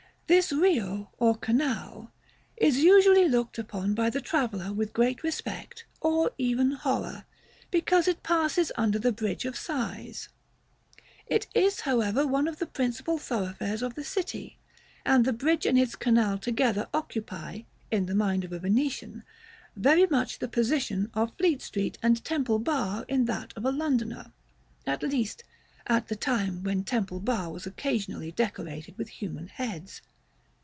This Rio, or canal, is usually looked upon by the traveller with great respect, or even horror, because it passes under the Bridge of Sighs. It is, however, one of the principal thoroughfares of the city; and the bridge and its canal together occupy, in the mind of a Venetian, very much the position of Fleet Street and Temple Bar in that of a Londoner, at least, at the time when Temple Bar was occasionally decorated with human heads.